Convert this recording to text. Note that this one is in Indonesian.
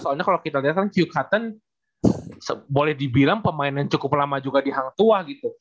soalnya kalau kita lihat kan q cotton boleh dibilang pemain yang cukup lama juga di hang tuah gitu